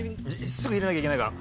すぐ入れなきゃいけないから。